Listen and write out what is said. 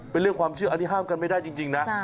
เป็นเรื่องความเชื่ออันนี้ห้ามกันไม่ได้จริงนะ